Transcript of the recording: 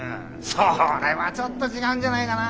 それはちょっと違うんじゃないかな。